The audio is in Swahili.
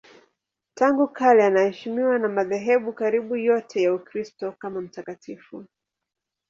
Tangu kale anaheshimiwa na madhehebu karibu yote ya Ukristo kama mtakatifu.